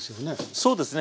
そうですね。